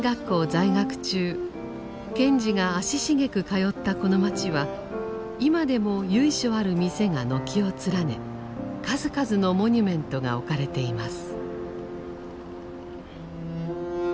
在学中賢治が足しげく通ったこの街は今でも由緒ある店が軒を連ね数々のモニュメントが置かれています。